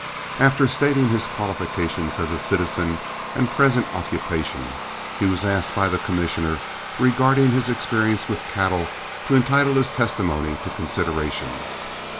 After stating his qualifications as a citizen and present occupation, he was asked by the commissioner regarding his experience with cattle to entitle his testimony to consideration.